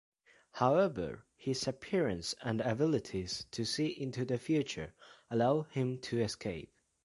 However, his appearance and abilities to see into the future allow him to escape.